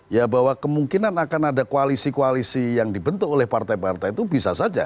ya bahwa kemungkinan akan ada koalisi koalisi yang dibentuk oleh partai partai itu bisa saja